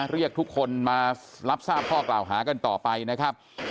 เรียกทุกคนมารับทราบข้อกล่าวหากันต่อไปนะครับ